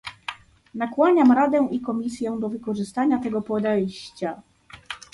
Nakłaniam Radę i Komisję do wykorzystania tego podejścia